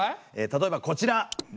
例えばこちら。